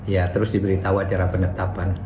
ya terus diberitahu acara penetapan